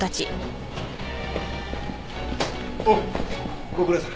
おおご苦労さん。